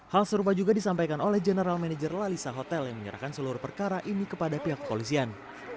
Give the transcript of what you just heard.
hal serupa juga disampaikan oleh general manager lalisa hotel yang menyerahkan seluruh perkara ini kepada pihak kepolisian